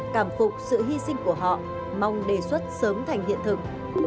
cảm phục sự hy sinh của họ mong đề xuất sớm thành hiện thực